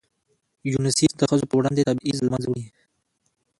یونیسف د ښځو په وړاندې تبعیض له منځه وړي.